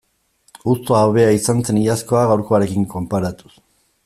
Uzta hobea izan zen iazkoa gaurkoarekin konparatuz.